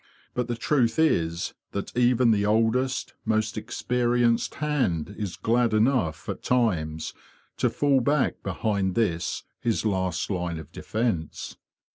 But the truth is that even the oldest, most experienced hand is glad enough, at times, to fall back behind this, his last line of defence.